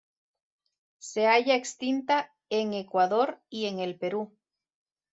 Se halla extinta en Ecuador y en el Perú.